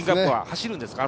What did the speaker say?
走るんですか？